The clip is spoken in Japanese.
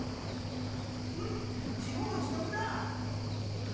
フン自業自得だ！